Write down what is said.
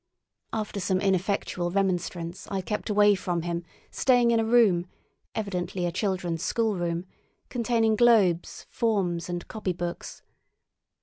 After some ineffectual remonstrance I kept away from him, staying in a room—evidently a children's schoolroom—containing globes, forms, and copybooks.